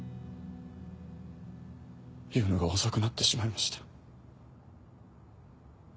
言うのが遅くなってしまいました。